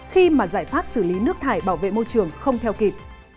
khi mà giải pháp xử lý nước thải bảo vệ môi trường không theo kịp